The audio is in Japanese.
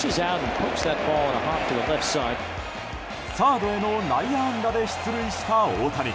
サードへの内野安打で出塁した大谷。